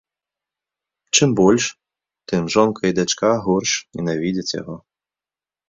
Чым больш, тым жонка і дачка горш ненавідзяць яго.